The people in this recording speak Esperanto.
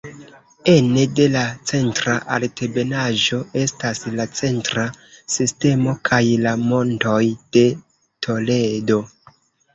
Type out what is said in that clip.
Ene de la Centra Altebenaĵo estas la Centra Sistemo kaj la Montoj de Toledo.